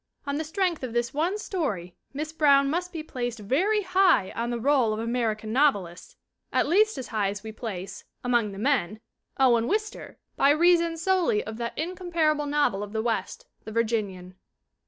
On the strength of this one story Miss Brown must be placed very high on the roll of American novelists i8 THE WOMEN WHO MAKE OUR NOVELS at least as high as we place, among the men, Owen Wister, by reason solely of that incomparable novel of the West, The Virginian.